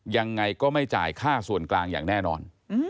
ยังไงก็ไม่จ่ายค่าส่วนกลางอย่างแน่นอน